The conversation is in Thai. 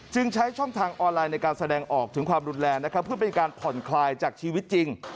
ใช้ช่องทางออนไลน์ในการแสดงออกถึงความรุนแรงนะครับเพื่อเป็นการผ่อนคลายจากชีวิตจริง